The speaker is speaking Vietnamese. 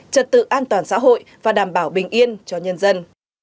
trật tự an toàn xã hội và đảm bảo bình yên cho nhân dân